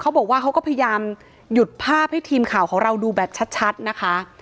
เขาก็พยายามหยุดภาพให้ทีมข่าวของเราดูแบบชัดนะคะ